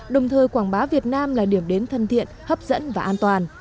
đồng thời quảng bá việt nam là điểm đến thân thiện hấp dẫn và an toàn